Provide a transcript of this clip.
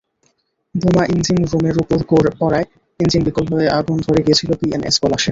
বোমা ইঞ্জিনরুমের ওপর পড়ায় ইঞ্জিন বিকল হয়ে আগুন ধরে গিয়েছিল বিএনএস পলাশে।